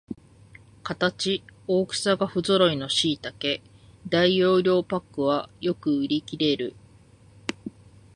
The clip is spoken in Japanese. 形、大きさがふぞろいのしいたけ大容量パックはよく売りきれる